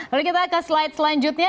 lalu kita ke slide selanjutnya